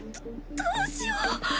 どうしよう。